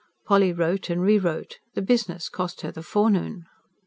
Polly wrote, and re wrote: the business cost her the forenoon.